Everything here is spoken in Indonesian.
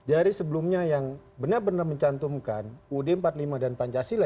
dari sebelumnya yang benar benar mencantumkan ud empat puluh lima dan pancasila